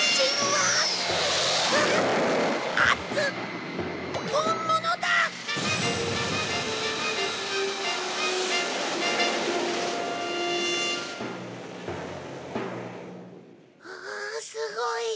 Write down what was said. はあすごい。